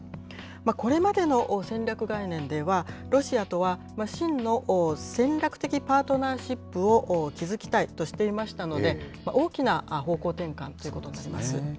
これまでの戦略概念では、ロシアとは真の戦略的パートナーシップを築きたいとしていましたので、大きな方向転換ということになります。